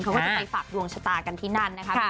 เขาก็จะไปฝากดวงชะตากันที่นั่นนะคะ